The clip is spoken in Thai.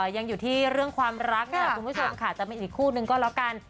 ยังอยู่ที่เรื่องความรักค่ะคุณผู้ชมค่ะจะเป็นอีกคู่นึงก็แล้วกัน